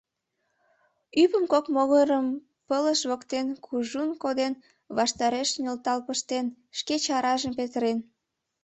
Ӱпым кок могырым пылыш воктен кужун коден, ваштареш нӧлтал пыштен, шке чаражым петырен.